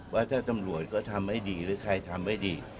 ว่าถ้าตำรวจก็ทำให้ดีหรือใครทำไม่ดี